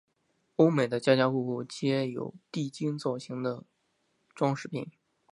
欧美的家家户户皆有地精造型的装饰品。